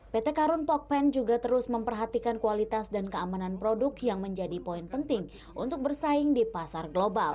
pt karun pokpen juga terus memperhatikan kualitas dan keamanan produk yang menjadi poin penting untuk bersaing di pasar global